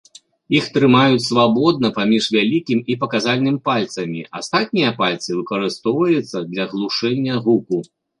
Іх трымаюць свабодна паміж вялікім і паказальным пальцамі, астатнія пальцы выкарыстоўваюцца для глушэння гуку.